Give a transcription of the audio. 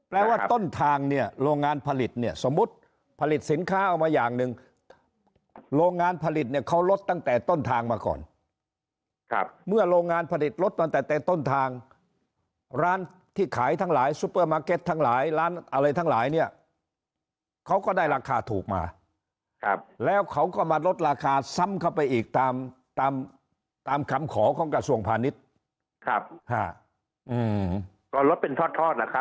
ว่าต้นทางเนี่ยโรงงานผลิตเนี่ยสมมุติผลิตสินค้าเอามาอย่างหนึ่งโรงงานผลิตเนี่ยเขาลดตั้งแต่ต้นทางมาก่อนครับเมื่อโรงงานผลิตลดตั้งแต่ต้นทางร้านที่ขายทั้งหลายซุปเปอร์มาร์เก็ตทั้งหลายร้านอะไรทั้งหลายเนี่ยเขาก็ได้ราคาถูกมาแล้วเขาก็มาลดราคาซ้ำเข้าไปอีกตามตามคำขอของกระทรวงพาณิชย์ครับ